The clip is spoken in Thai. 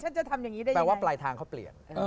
ฉันจะทำอย่างงี้แล้วว่ามันปลายทางเขาเปลี่ยน